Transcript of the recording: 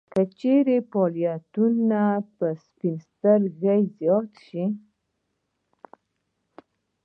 کله چې په فعاليتونو کې سپين سترګي زياته شوه.